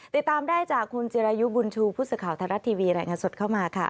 ติดตามได้จากคุณจิรายุบุญชูพุศุข่าวธรรัชน์ทีวีแหล่งงานสดเข้ามาค่ะ